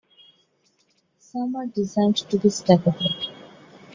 Some are designed to be stackable.